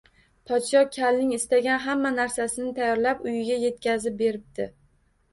Podsho kalning istagan hamma narsasini tayyorlab uyiga yetkazib beribdi